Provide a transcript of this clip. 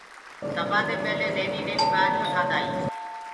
سبآندي پيلي نهيني نهيني ٻآريون ٺآندآ هين۔